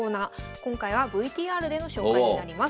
今回はＶＴＲでの紹介になります。